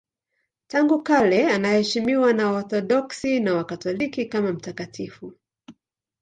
Tangu kale anaheshimiwa na Waorthodoksi na Wakatoliki kama mtakatifu.